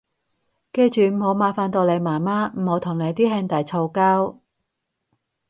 記住唔好麻煩到你媽媽，唔好同你啲兄弟嘈交